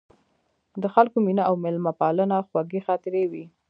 د خلکو مینه او میلمه پالنه خوږې خاطرې وې.